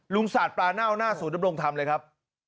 ลุงศาสตร์ปลาเน่าศูนย์ดำรงธรรมเลยครับ